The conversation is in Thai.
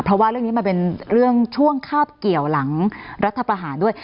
เพราะว่าเรื่องนี้มันเป็นเรื่องช่วงคาบเกี่ยวหลังรัฐประหารด้วย